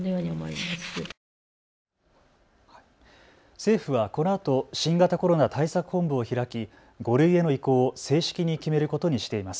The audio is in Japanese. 政府はこのあと新型コロナ対策本部を開き５類への移行を正式に決めることにしています。